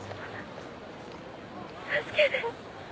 助けて。